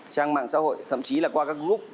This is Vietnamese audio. trang mạng xã hội thậm chí là qua các group